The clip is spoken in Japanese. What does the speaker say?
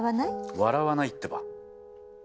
笑わないってば。